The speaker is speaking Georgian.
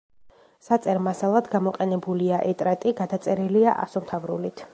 საწერ მასალად გამოყენებულია ეტრატი, გადაწერილია ასომთავრულით.